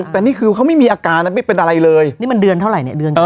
แต่นี่คือเขาไม่มีอาการนะไม่เป็นอะไรเลยนี่มันเดือนเท่าไหร่เนี่ยเดือนก่อน